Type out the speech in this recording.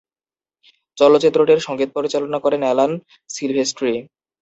চলচ্চিত্রটির সঙ্গীত পরিচালনা করেন অ্যালান সিলভেস্ট্রি।